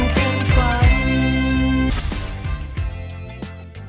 อยากลืมเล่าสู่กันฟัง